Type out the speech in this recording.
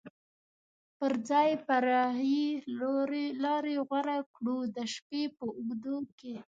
پر ځای فرعي لارې غوره کړو، د شپې په اوږدو کې.